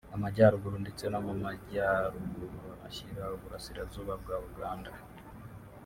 Amajyaruguru ndetse no mu Majyaruguru ashyira Uburasirazuba bwa Uganda